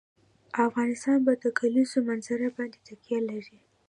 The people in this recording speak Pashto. افغانستان په د کلیزو منظره باندې تکیه لري.